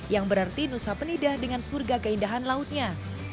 yang berarti nusa penidah dengan surga keindahan lautnya